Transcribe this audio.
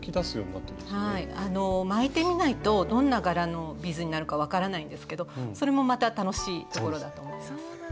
巻いてみないとどんな柄のビーズになるか分からないんですけどそれもまた楽しいところだと思います。